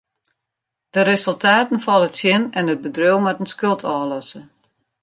De resultaten falle tsjin en it bedriuw moat in skuld ôflosse.